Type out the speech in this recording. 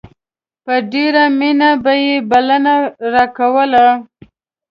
په ډېرې مينې به يې بلنه راکوله.